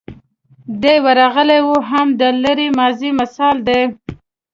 دی ورغلی و هم د لرې ماضي مثال دی.